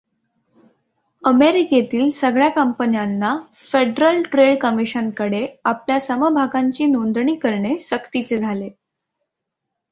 अमेरिकेतील सगळ्या कंपन्यांना फेडरल ट्रेड कमिशनकडे आपल्या समभागांची नोंदणी करणे सक्तीचे झाले.